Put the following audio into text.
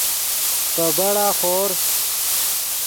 پے بڑا خور